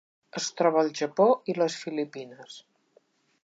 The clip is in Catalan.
Es troba al Japó i les Filipines.